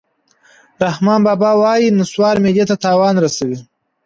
رحمان بابا وایي: نصوار معدې ته تاوان رسوي